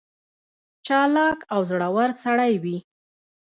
چالاک او زړه ور سړی وي.